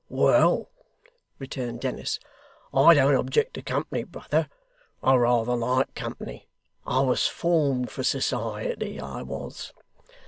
'Well,' returned Dennis, 'I don't object to company, brother. I rather like company. I was formed for society, I was.